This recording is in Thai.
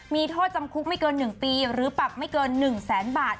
มีโทษจำคุกไม่เกินหนึ่งตีหรือปรับไม่เกินหนึ่งแสนบาท